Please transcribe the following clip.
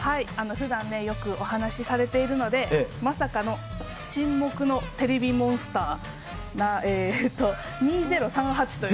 ふだん、よくお話されているので、まさかの沈黙のテレビモンスター２０３８という。